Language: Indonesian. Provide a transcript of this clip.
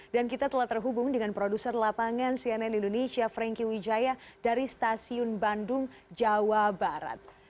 dan kita telah terhubung dengan produser lapangan cnn indonesia frankie wijaya dari stasiun bandung jawa barat